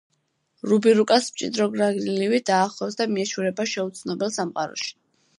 რუბი რუკას მჭიდრო გრაგნილივით დაახვევს და მიეშურება შეუცნობელ სამყაროში.